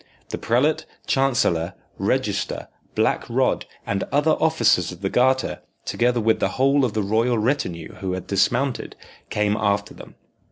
The prelate, chancellor, register, black rod, and other officers of the Garter, together with the whole of the royal retinue who had dismounted, came after them.